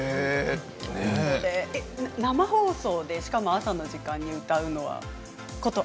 生放送でしかも朝の時間に歌うのは。